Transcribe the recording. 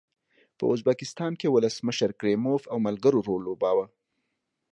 په ازبکستان کې ولسمشر کریموف او ملګرو رول لوباوه.